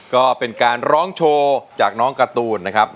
ก็เป็นการร้องโชว์จากน้องการ์ตูนนะครับ